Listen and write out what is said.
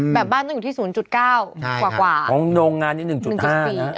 แบบบ้านต้องอยู่ที่๐๙กว่ากว่าของโรงงานนี่๑๕นะ